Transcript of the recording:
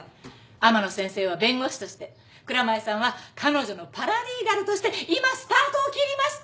天野先生は弁護士として蔵前さんは彼女のパラリーガルとして今スタートを切りました！